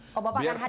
oh bapak akan hadir